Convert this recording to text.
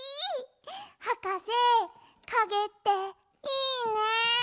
はかせかげっていいね！